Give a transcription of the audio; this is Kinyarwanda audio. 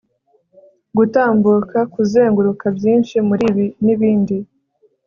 gutambuka kuzenguruka byinshi muribi nibindi